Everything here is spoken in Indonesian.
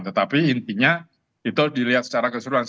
tetapi intinya itu dilihat secara keseluruhan